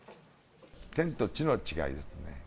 天と地の違いですね。